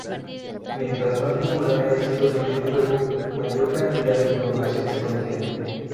Mientras más popular haya sido el videojuego, mayor cantidad de información se contiene.